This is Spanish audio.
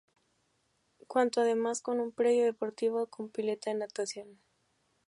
Cuenta además con un predio deportivo con pileta de natación.